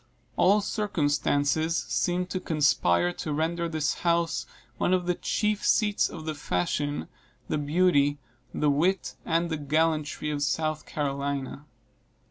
All circumstances seemed to conspire to render this house one of the chief seats of the fashion, the beauty, the wit, and the gallantry of South Carolina.